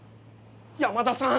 山田さん！